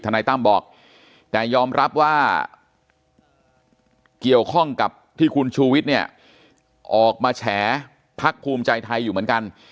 นายตั้มบอกแต่ยอมรับว่าเกี่ยวข้องกับที่คุณชูวิทย์เนี่ยออกมาแฉพักภูมิใจไทยอยู่เหมือนกัน